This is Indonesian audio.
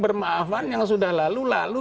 bermaafan yang sudah lalu lalu